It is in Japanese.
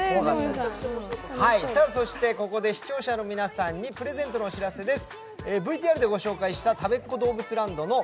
ここで視聴者の皆さんにプレゼントのお知らせです。